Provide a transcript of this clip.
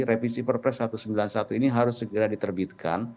revisi perpres satu ratus sembilan puluh satu ini harus segera diterbitkan